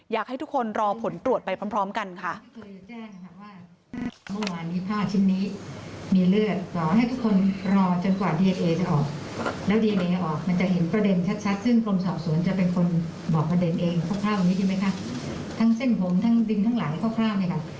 อยากให้ทุกคนรอผลตรวจไปพร้อมกันค่ะ